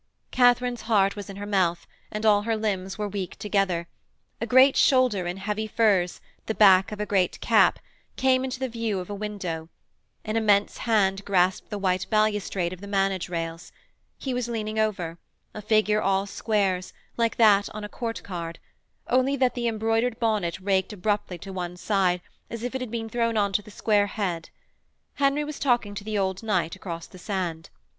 Katharine's heart was in her mouth, and all her limbs were weak together; a great shoulder in heavy furs, the back of a great cap, came into the view of the window, an immense hand grasped the white balustrade of the manage rails. He was leaning over, a figure all squares, like that on a court card, only that the embroidered bonnet raked abruptly to one side as if it had been thrown on to the square head. Henry was talking to the old knight across the sand.